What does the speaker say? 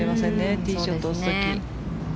ティーショットを打つ時。